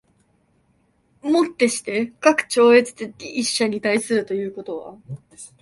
而して、かく超越的一者に対するということは、